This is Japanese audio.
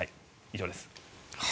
以上です。